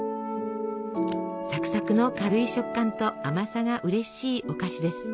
サクサクの軽い食感と甘さがうれしいお菓子です。